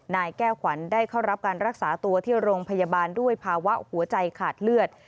นายแก้วขวัญได้เข้ารับการรักษาตัวที่โรงพยาบาลด้วยภาวะหัวใจขาดเลือด